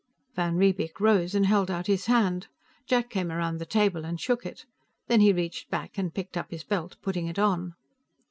Van Riebeek rose and held out his hand; Jack came around the table and shook it. Then he reached back and picked up his belt, putting it on.